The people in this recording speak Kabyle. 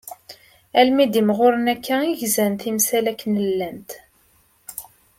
Almi i d-mɣuren akka i gzan timsal akken llant.